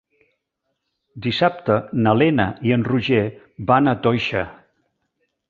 Dissabte na Lena i en Roger van a Toixa.